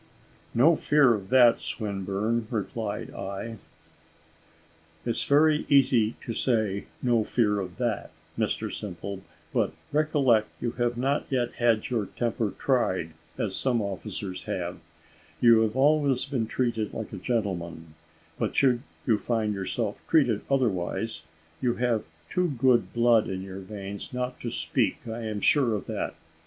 "No fear of that, Swinburne," replied I. "It's very easy to say `no fear of that,' Mr Simple: but recollect you have not yet had your temper tried as some officers have. You have always been treated like a gentleman; but should you find yourself treated otherwise, you have too good blood in your veins not to speak I am sure of that.